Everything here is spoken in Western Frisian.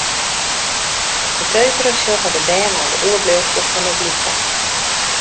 Beteutere sjogge de bern nei de oerbliuwsels fan de glydbaan.